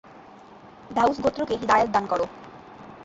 দাউস গোত্রকে হিদায়াত দান কর।